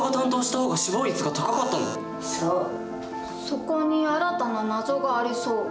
そこに新たな謎がありそう。